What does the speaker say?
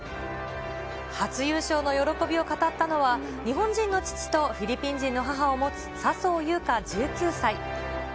初優勝の喜びを語ったのは、日本人の父とフィリピン人の母を持つ、笹生優花１９歳。